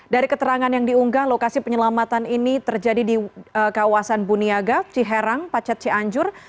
dari keterangan yang diunggah lokasi penyelamatan ini terjadi di kawasan buniaga ciherang pacet cianjur